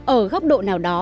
ở góc độ nào đó